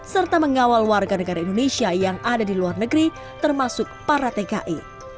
serta mengawal warga negara indonesia yang ada di luar negeri termasuk para tki